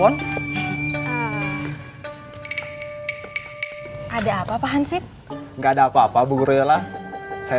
orang kan gini melewati the forbidden language